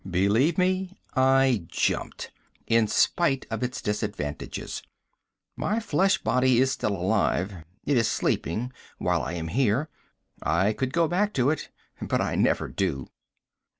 Believe me, I jumped, in spite of its disadvantages. My flesh body is still alive it is sleeping, while I am here. I could go back to it. But I never do."